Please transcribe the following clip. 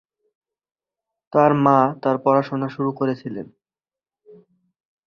তার মা তার পড়াশোনা শুরু করেছিলেন।